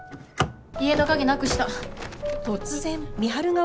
家の鍵なくした。